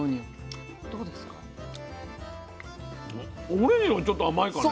オレンジの方がちょっと甘いかね。